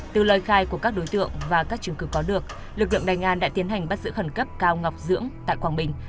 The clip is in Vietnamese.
từ lời khai của các đối tượng và các chứng cứ có được lực lượng đánh an đã tiến hành bắt giữ khẩn cấp cao ngọc dưỡng tại quảng bình